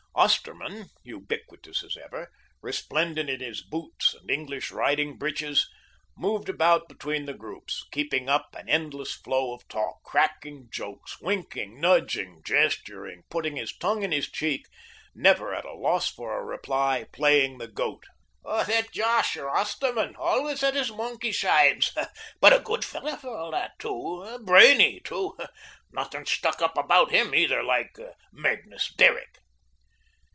Osterman, ubiquitous as ever, resplendent in his boots and English riding breeches, moved about between the groups, keeping up an endless flow of talk, cracking jokes, winking, nudging, gesturing, putting his tongue in his cheek, never at a loss for a reply, playing the goat. "That josher, Osterman, always at his monkey shines, but a good fellow for all that; brainy too. Nothing stuck up about him either, like Magnus Derrick."